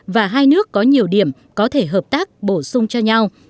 và hai nước có nhiều điểm có thể hợp tác bổ sung cho nhau